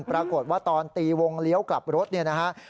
ปรากฏว่าตอนตีวงเลี้ยวกลับรถเนี่ยนะฮะ